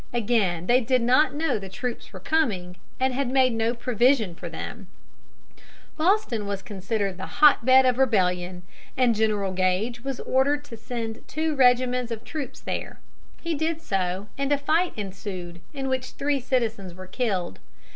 Again, they did not know the troops were coming, and had made no provision for them. [Illustration: THE BRITISH BOARDING 'ROUND.] Boston was considered the hot bed of the rebellion, and General Gage was ordered to send two regiments of troops there. He did so, and a fight ensued, in which three citizens were killed.